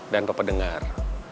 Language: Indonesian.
dan papa dengar